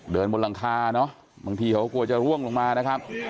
บนหลังคาเนอะบางทีเขาก็กลัวจะร่วงลงมานะครับ